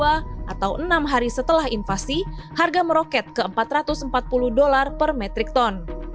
pada dua maret dua ribu dua puluh dua atau enam hari setelah invasi harga meroket ke usd empat ratus empat puluh per metric ton